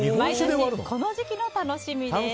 この時期の楽しみです。